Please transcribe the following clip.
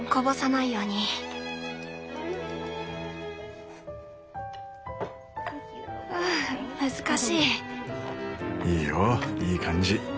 いいよいい感じ。